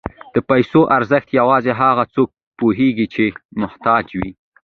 د پیسو ارزښت یوازې هغه څوک پوهېږي چې محتاج وي.